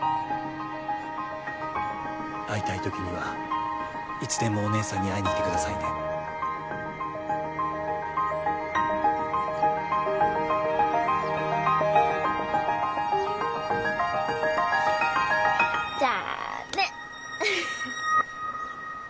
会いたい時にはいつでもお姉さんに会いに来てくださいねじゃあね